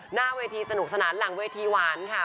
หน้าเวทีสนุกสนานหลังเวทีหวานค่ะ